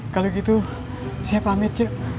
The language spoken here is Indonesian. kalau gitu saya pamit sih